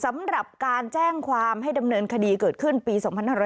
สำหรับการแจ้งความให้ดำเนินคดีเกิดขึ้นปี๒๕๖๐